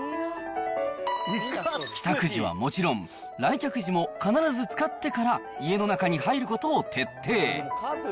帰宅時はもちろん、来客時も必ず使ってから家の中に入ることを徹底。